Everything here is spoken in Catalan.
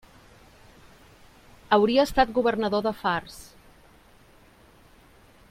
Hauria estat governador de Fars.